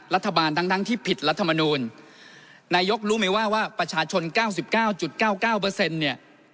รัฐบาลทั้งทั้งที่ผิดรัฐมนูลนายกรู้ไหมว่าว่าประชาชนเก้าสิบเก้าจุดเก้าเก้าเปอร์เซ็นต์เนี่ย